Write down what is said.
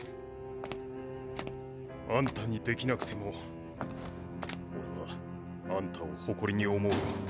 あんたにできなくても俺はあんたを誇りに思うよ。